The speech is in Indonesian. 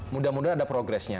mudah mudahan ada progressnya